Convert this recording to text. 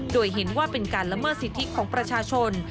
โดยเห็นว่าเป็นการละเมิดสิทธิของประชาชน